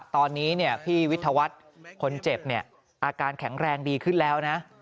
ตอนนี้พี่วิทยาวัฒน์คนเจ็บอาการแข็งแรงดีขึ้นแล้วนะ